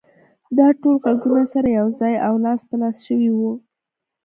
دا ټول غږونه سره يو ځای او لاس په لاس شوي وو.